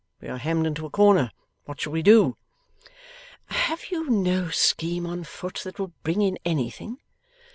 We are hemmed into a corner. What shall we do?' 'Have you no scheme on foot that will bring in anything?